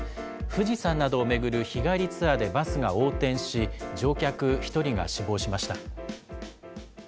富士山などを巡る日帰りツアーでバスが横転し、乗客１人が死亡しました。